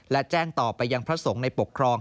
และแจ้งต่อไปยังพระสงฆ์ในปกครอง